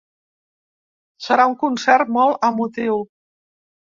Serà un concert molt emotiu.